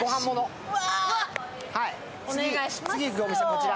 次、行くお店、こちら。